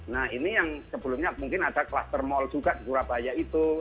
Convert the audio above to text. nah ini yang sebelumnya mungkin ada kluster mall juga di surabaya itu